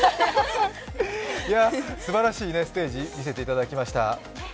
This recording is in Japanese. すばらしいステージ、見せていただきました。